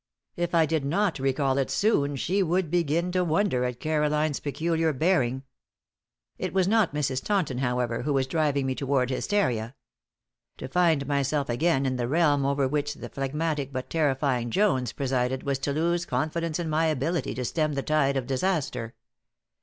If I did not recall it soon she would begin to wonder at Caroline's peculiar bearing. It was not Mrs. Taunton, however, who was driving me toward hysteria. To find myself again in the realm over which the phlegmatic but terrifying Jones presided was to lose confidence in my ability to stem the tide of disaster.